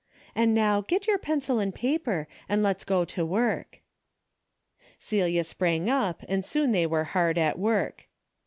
And now get your pencil and paper and let's go to work." Celia sprang up and soon they were hard at work.